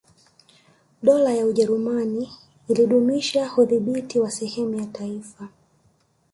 Dola ya Ujerumani ilidumisha udhibiti wa sehemu ya taifa